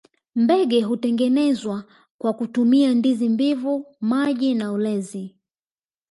Mbege hutengenezwa kwa kutumia ndizi mbivu maji na ulezi